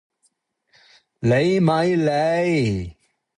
你咪理